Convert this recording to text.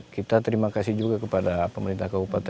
kita terima kasih juga kepada pemerintah kabupaten